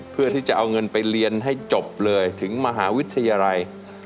เพื่อที่จะเอาเงินไปเรียนให้จบเลยถึงมหาวิทยาลัย